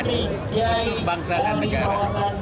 untuk bangsa dan negara